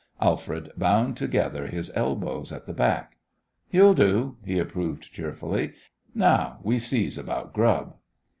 Alfred bound together his elbows at the back. "You'll do," he approved, cheerfully. "Now, we sees about grub."